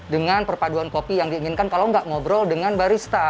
dengan perpaduan kopi yang diinginkan kalau nggak ngobrol dengan barista